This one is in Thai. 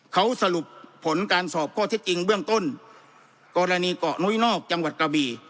เขาสรุปผลการสอบข้อเท็จจริงเบื้องต้นกรณีเกาะนุ้ยนอกจังหวัดกระบี